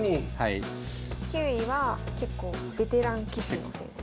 ９位は結構ベテラン棋士の先生。